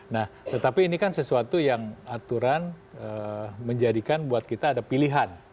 nah tetapi ini kan sesuatu yang aturan menjadikan buat kita ada pilihan